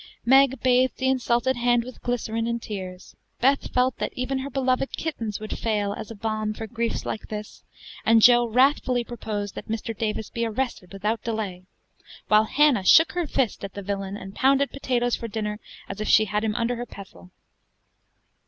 Meg bathed the insulted hand with glycerine, and tears; Beth felt that even her beloved kittens would fail as a balm for griefs like this, and Jo wrathfully proposed that Mr. Davis be arrested without delay; while Hannah shook her fist at the "villain," and pounded potatoes for dinner as if she had him under her pestle.